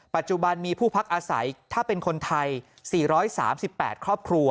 ปัจจุบันมีผู้พักอาศัยถ้าเป็นคนไทย๔๓๘ครอบครัว